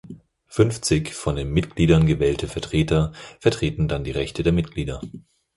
Fünfzig von den Mitgliedern gewählte Vertreter vertreten dann die Rechte der Mitglieder.